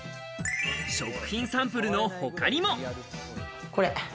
食品サンプルの他にも。